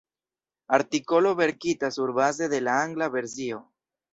Artikolo verkita surbaze de la angla versio.